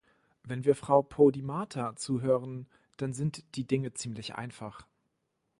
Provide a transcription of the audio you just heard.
Wenn wir Frau Podimata zuhören, dann sind die Dinge ziemlich einfach.